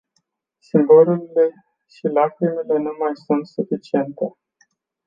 Simbolurile și lacrimile nu mai sunt suficiente.